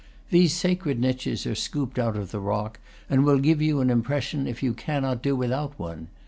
These sacred niches are scooped out of the rock, and will give you an impression if you cannot do without one.